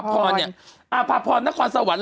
อภพรอภพรนครสวรรค์